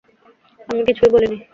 আমি কিছুই বলিনি।